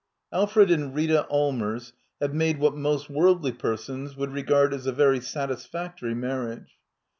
Alfred and Rita Allmers have made what most worldly persons would regard as a very satisfactory marriage.